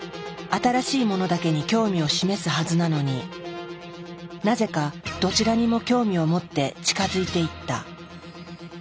新しいものだけに興味を示すはずなのになぜかどちらにも興味を持って近づいていった。